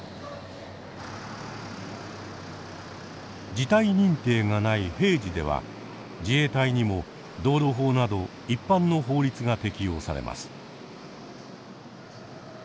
事態認定がない「平時」では自衛隊にも道路法など一般の法律が適用されます。